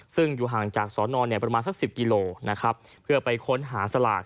ซึ่งอยู่ห่างจากสอนอนประมาณสัก๑๐กิโลนะครับเพื่อไปค้นหาสลาก